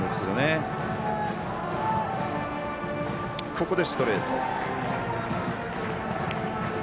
ここでストレート。